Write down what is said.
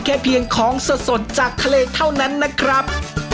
เพียงของสดจากทะเลเท่านั้นนะครับ